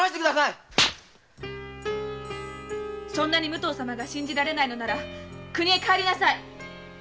武藤様が信じられないのなら国へ帰りなさい！